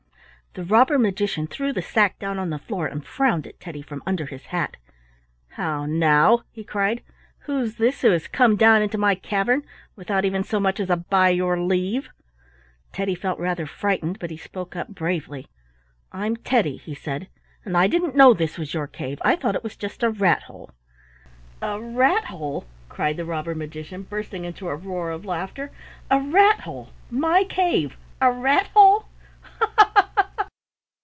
The robber magician threw the sack down on the floor and frowned at Teddy from under his hat. "How now!" he cried. "Who's this who has come down into my cavern without even so much as a 'by your leave'?" Teddy felt rather frightened, but he spoke up bravely. "I'm Teddy," he said, "and I didn't know this was your cave. I thought it was just a rat hole." "A rat hole!" cried the robber magician, bursting into a roar of laughter. "A rat hole! My cave a rat hole! Ho! ho!